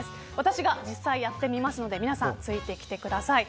私が実際にやってみるのでついてきてください。